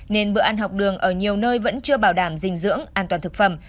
nên bữa ăn học đường ở nhiều nơi vẫn chưa bảo đảm dinh dưỡng an toàn thực phẩm